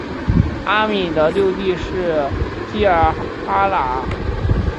阿敏的六弟是济尔哈朗。